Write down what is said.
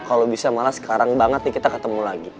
kalau bisa malah sekarang banget nih kita ketemu lagi